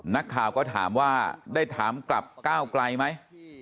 นักข่าวก็ถามว่าได้ถามกลับก้าวไกลไหม